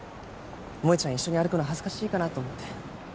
萌ちゃん一緒に歩くの恥ずかしいかなと思って。